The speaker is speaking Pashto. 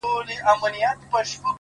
هره تجربه د ژوند نوی باب دی.!